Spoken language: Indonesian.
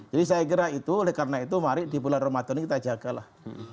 jadi saya kira itu oleh karena itu mari di bulan ramadan ini kita jagalah